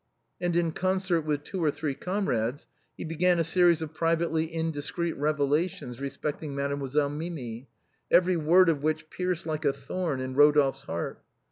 And in concert with two or three comrades he began a series of privately indiscreet revelations respecting Made moiselle Minii, every word of which pierced like a thorn to Rodolphe's heart.